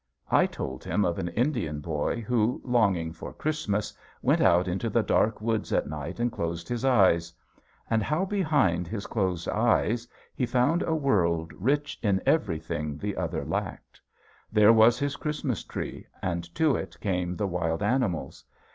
I told him of an Indian boy who, longing for Christmas, went out into the dark woods at night and closed his eyes. And how behind his closed eyes he found a world rich in everything the other lacked. There was his Christmas tree and to it came the wild animals.